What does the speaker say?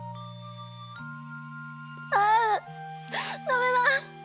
あダメだ！